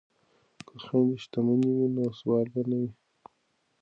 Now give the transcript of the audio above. که خویندې شتمنې وي نو سوال به نه کوي.